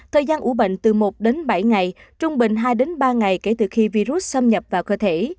thời gian ủ bệnh từ một đến bảy ngày trung bình hai ba ngày kể từ khi virus xâm nhập vào cơ thể